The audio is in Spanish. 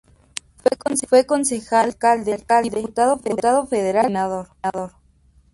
Fue concejal, alcalde, diputado federal y senador.